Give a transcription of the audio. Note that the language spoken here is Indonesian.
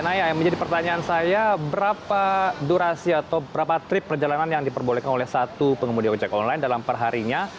naya yang menjadi pertanyaan saya berapa durasi atau berapa trip perjalanan yang diperbolehkan oleh satu pengemudi ojek online dalam perharinya